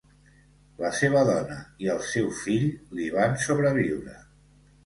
La seva dona i el seu fill li van sobreviure.